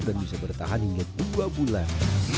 bisa bertahan hingga dua bulan